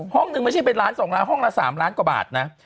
ห้องนึงไม่ใช่เป็นล้าน๒ล้านห้องละ๓ล้านกว่าบาทนะ